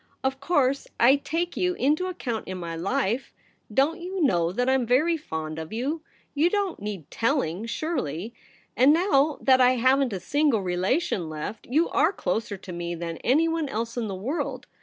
' Of course, I take you into account in my life. Don't you know that I'm very THE PRINCESS AT HOME. i jc) fond of you ? You don't need telling, surely. And now that I haven't a single relation left, you are closer to me than anyone else In the world.